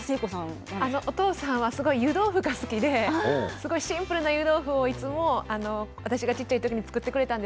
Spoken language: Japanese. お父さんは、すごい湯豆腐が好きでシンプルな湯豆腐をいつも私が小っちゃい時に作ってくれました。